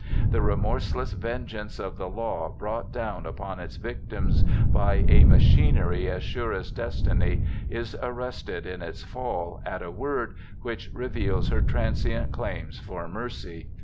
The remorseless vengeance of the law brought down upon its victims by a machinery as sure as destiny, is arrested in its fall at a word which reveals her transient claims for mercy.